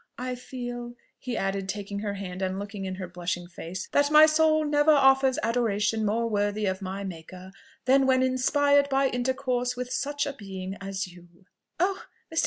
I feel," he added taking her hand and looking in her blushing face, "that my soul never offers adoration more worthy of my Maker than when inspired by intercourse with such a being as you!" "Oh!